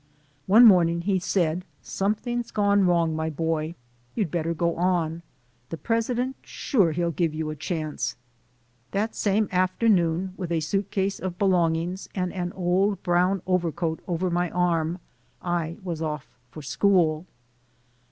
One morning he said, "Something's gone wrong, my boy. You'd better go on. The president sure'll give you a chance." That same afternoon, with a suitcase of belong ings and an old brown overcoat over my arm, I was off for school.